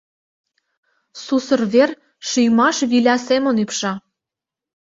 Сусыр вер шӱймаш виля семын ӱпша.